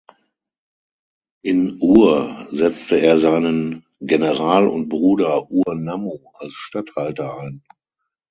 In Ur setzte er seinen General und Bruder Ur-Nammu als Statthalter ein.